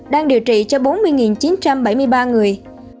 đang điều trị cho bốn mươi chín trăm bảy mươi ba người